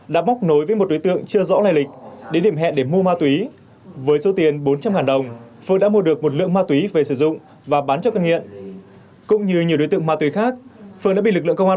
đợi một người phụ nữ bán ma túy cho bị can